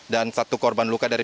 dan satu korban luka dari